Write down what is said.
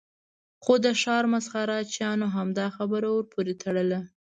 خو د ښار مسخره چیانو همدا خبره ور پورې تړله.